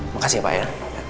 makasih pak ya